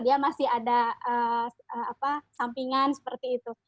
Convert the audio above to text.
dia masih ada sampingan seperti itu